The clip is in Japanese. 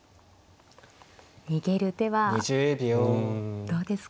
逃げる手はどうですか？